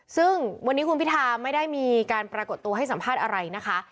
ซึ่งวันนี้คุณพิธาไม่ได้มีการปรากฏตัวให้สัมภาษณ์อะไรนะคะ